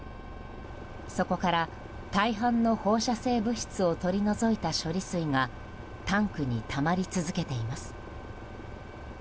そこから大半の放射性物質を取り除いた処理水がタンクにたまり続けています。